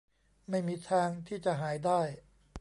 ไม่มีทางที่จะหายได้